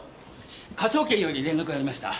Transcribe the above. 科捜研より連絡がありました。